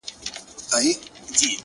o د سرو شرابو د خُمونو د غوغا لوري؛